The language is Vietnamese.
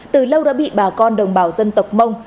từ lâu đã bị bà con đồng bào dân tộc mông